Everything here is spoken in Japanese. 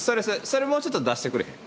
それもうちょっと出してくれへん？